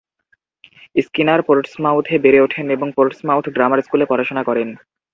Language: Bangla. স্কিনার পোর্টসমাউথে বেড়ে ওঠেন এবং পোর্টসমাউথ গ্রামার স্কুলে পড়াশোনা করেন।